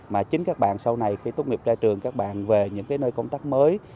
mà chính các bạn sau này khi tốt nghiệp ra trường các bạn về những nơi công tác mới